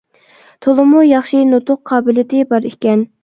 تولىمۇ ياخشى نۇتۇق قابىلىيىتى بار ئىكەن.